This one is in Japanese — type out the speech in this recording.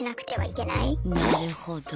なるほど。